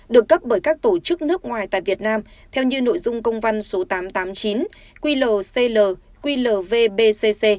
được cấp bởi các tổ chức nước ngoài tại việt nam theo như nội dung công văn số tám trăm tám mươi chín qlclqbcc